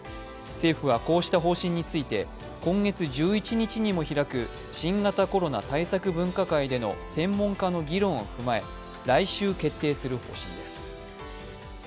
政府はこうした方針について今月１１日にも開く新型コロナ対策分科会での専門家の議論を踏まえ来週、決定する方針です。